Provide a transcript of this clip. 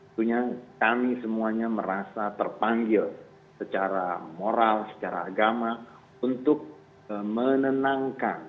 tentunya kami semuanya merasa terpanggil secara moral secara agama untuk menenangkan